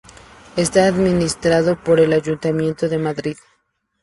Está administrado por el Ayuntamiento de Madrid.